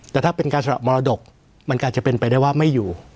แต่ถ้าเป็นการสละมรดกมันก็อาจจะเป็นไปได้ว่าไม่อยู่